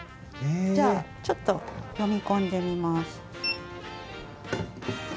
じゃあちょっと読み込んでみます。